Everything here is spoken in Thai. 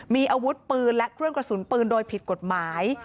มีอาวุธปืนและเครื่องกระสุนปืนโดยผิดกฎหมาย